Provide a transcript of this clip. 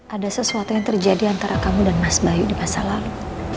ada sesuatu yang terjadi antara kamu dan mas bayu di masa lalu